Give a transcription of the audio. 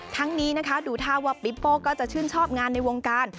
ทั้งนี้นะคะดูท่าว่าปิ๊ปโป้ก็จะชื่นชอบงานในวงการ